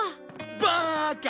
バーカ！